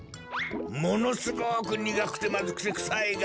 ものすごくにがくてまずくてくさいが。